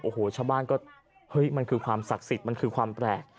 โอ้โหชาวบ้านก็เฮ้ยมันคือความศักดิ์สิทธิ์มันคือความแปลก